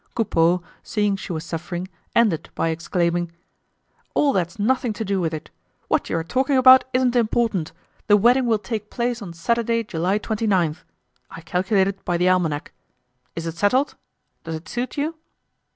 Coupeau, seeing she was suffering, ended by exclaiming: "All that's nothing to do with it. What you are talking about isn't important. The wedding will take place on Saturday, July 29. I calculated by the almanac. Is it settled? Does it suit you?"